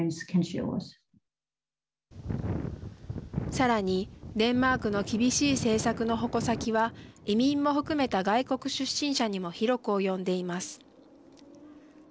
さらに、デンマークの厳しい政策の矛先は移民も含めた外国出身者にも広く及んでいます。